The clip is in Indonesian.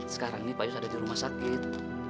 sekarang ini pak yus ada di rumah sakit